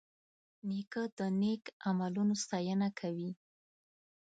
نیکه د نیک عملونو ستاینه کوي.